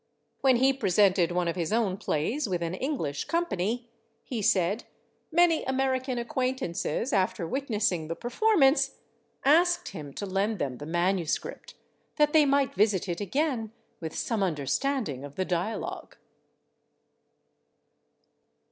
When he presented one of his own plays with an English company, he said, many American acquaintances, after witnessing the performance, asked him to lend them the manuscript, "that they might visit it again with some understanding of the dialogue."